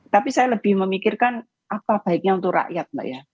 tapi saya lebih memikirkan apa baiknya untuk rakyat mbak ya